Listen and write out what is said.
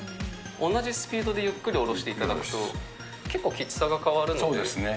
同じスピードでゆっくり下ろしていただくと、結構きつさが変わるので。